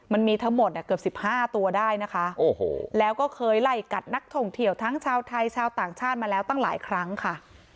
มันมีทั้งหมดเกือบ๑๕ตัวได้นะคะแล้วก็เคยไล่กัดนักท่องเที่ยวทั้งชาวไทยชาวต่างชาติมาแล้วตั้งหลายครั้งค่ะ